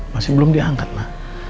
masih belum dia angkat ma